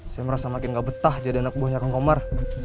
saya merasa makin gak betah jadi anak buahnya kang komar